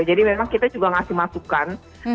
jadi memang kita juga ngasih masukan